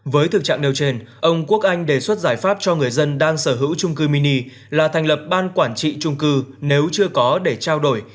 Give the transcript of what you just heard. với thực trạng nêu trên ông quốc anh đề xuất giải pháp cho người dân đang sở hữu trung cư mini là thành lập ban quản trị trung cư nếu chưa có để trao đổi